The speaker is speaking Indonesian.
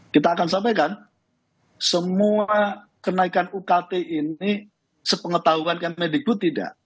kita akan sampaikan semua kenaikan ukt ini sepengetahuan kemendikbud tidak